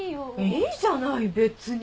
いいじゃない別に。